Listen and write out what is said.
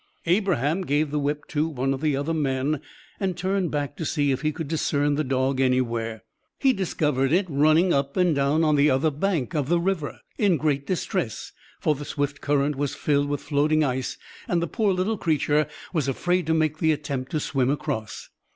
Abraham gave the whip to one of the other men and turned back to see if he could discern the dog anywhere. He discovered it running up and down on the other bank of the river, in great distress, for the swift current was filled with floating ice and the poor little creature was afraid to make the attempt to swim across.